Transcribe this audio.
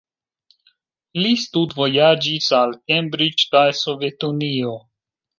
Li studvojaĝis al Cambridge kaj Sovetunio.